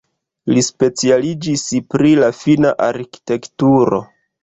Li specialiĝis pri la finna arkitekturo.